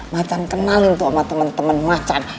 macan kenalin tuh sama temen temen macan